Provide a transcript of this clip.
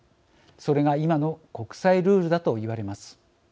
それが今の国際ルールだと言われます。